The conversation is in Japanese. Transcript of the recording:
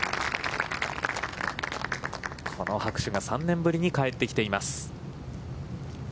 この拍手が３年ぶりに帰ってきています。